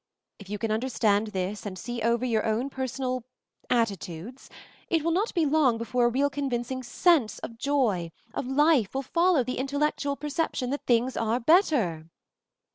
If you can understand this and see over your own personal — attitudes it will not be long before a real convincing sense of joy, of life, will follow the intellectual per ception that things are better."